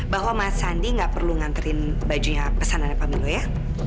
bahwa mas sandi gak perlu nganterin bajunya pesanan pemilu ya